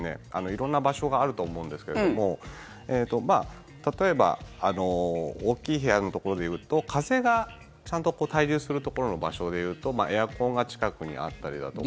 色んな場所があると思うんですけれども例えば大きい部屋のところで言うと風がちゃんと対流するところの場所で言うとエアコンが近くにあったりだとか。